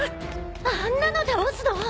あんなの倒すの？